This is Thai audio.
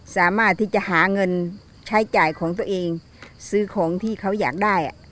สามารถที่จะหาเงินใช้จ่ายของตัวเองซื้อของที่เขาอยากได้